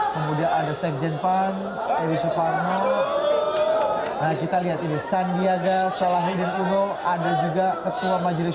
kemudian ada sekjen pan edi suparno kita lihat ini sandiaga salahuddin uno ada juga ketua majelis